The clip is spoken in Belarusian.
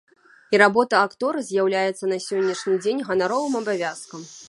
І работа актора з'яўляецца на сённяшні дзень ганаровым абавязкам.